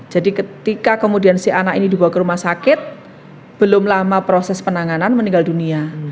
jadi ketika kemudian si anak ini dibawa ke rumah sakit belum lama proses penanganan meninggal dunia